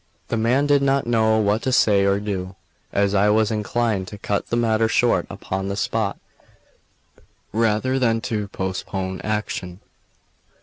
The man did not know what to say or do, and I was inclined to cut the matter short upon the spot rather than to postpone action.